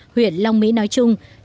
huyện long mỹ nói chung